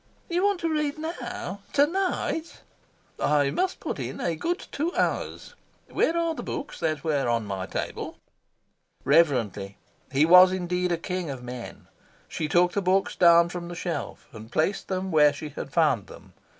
"You want to read NOW TO NIGHT?" "I must put in a good two hours. Where are the books that were on my table?" Reverently he was indeed a king of men she took the books down from the shelf, and placed them where she had found them.